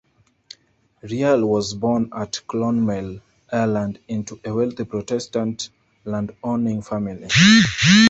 Riall was born at Clonmel, Ireland, into a wealthy Protestant landowning family.